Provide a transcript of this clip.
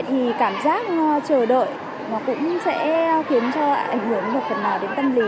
thì cảm giác chờ đợi nó cũng sẽ khiến cho ảnh hưởng một phần nào đó